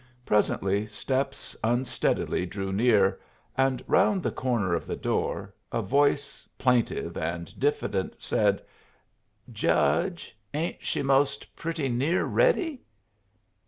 Presently steps unsteadily drew near, and round the corner of the door a voice, plaintive and diffident, said, "Judge, ain't she most pretty near ready?"